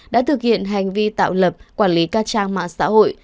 đã thực hiện hành vi tạo lập quản lý các trang mạng xã hội